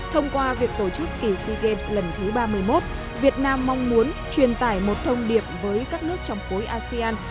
trong kỳ sea games lần thứ ba mươi một việt nam mong muốn truyền tải một thông điệp với các nước trong phối asean